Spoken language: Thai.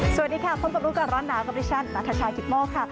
สวัสดีค่ะพบกับรู้ก่อนร้อนหนาวกับดิฉันนัทชายกิตโมกค่ะ